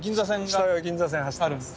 下は銀座線走ってます。